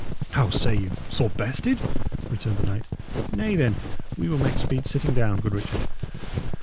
"How say you? Sore bested?" returned the knight. "Nay, then, we will make speed sitting down, good Richard.